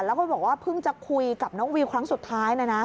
แล้วก็บอกว่าเพิ่งจะคุยกับน้องวิวครั้งสุดท้ายเลยนะ